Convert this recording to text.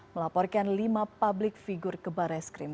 melaporkan lima publik figur kebarai skrim